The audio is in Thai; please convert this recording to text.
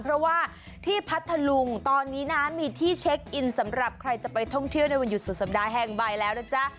เพราะว่าที่พัทธลุงตอนนี้นะมีที่เช็คอินสำหรับใครจะไปท่องเที่ยวในวันหยุดสุดสัปดาห์แห่งบ่ายแล้วนะจ๊ะ